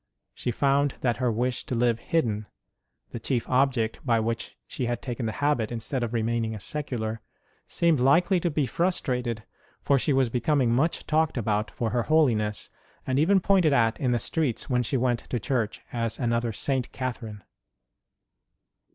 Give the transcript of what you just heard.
She found that her wish to live hidden the chief object with which she had taken the habit instead of remaining a secular seemed likely to be frus trated, for she was becoming much talked about for her holiness, and even pointed at in the streets when she went to church as another St. Catherine.